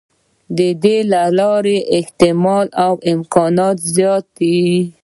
د دې لارې احتمال او امکان زیات دی.